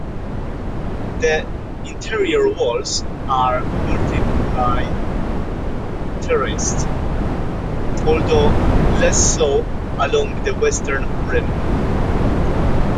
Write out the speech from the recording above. The interior walls are multiply terraced, although less so along the western rim.